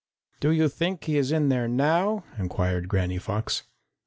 "Do you think he is in here now?" inquired Granny Fox.